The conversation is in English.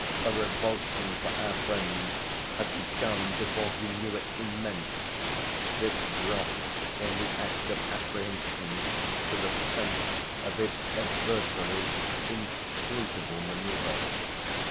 The revulsion, for our friend, had become, before he knew it, immense this drop, in the act of apprehension, to the sense of his adversary's inscrutable manoeuvre.